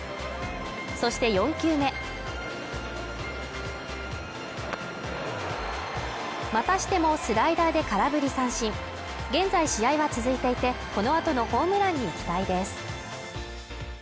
そして４球目またしてもスライダーで空振り三振現在試合は続いていてこのあとのホームランに期待です